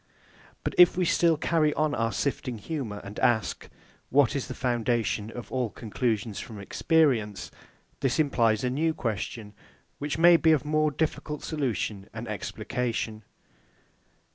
But if we still carry on our sifting humour, and ask, What is the foundation of all conclusions from experience? this implies a new question, which may be of more difficult solution and explication.